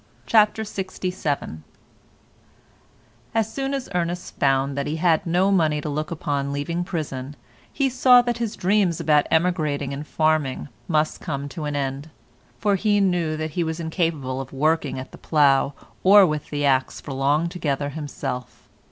CHAPTER LXVII As soon as Ernest found that he had no money to look to upon leaving prison he saw that his dreams about emigrating and farming must come to an end, for he knew that he was incapable of working at the plough or with the axe for long together himself.